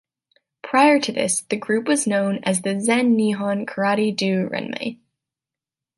Prior to this the group was known as the "Zen Nihon Karate-do Renmei".